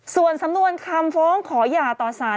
ส่วนสำนวนคำฟ้องขอหย่าต่อสาร